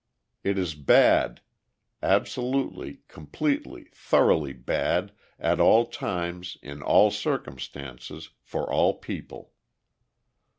It is bad, absolutely, completely, thoroughly bad, at all times, in all circumstances, for all people.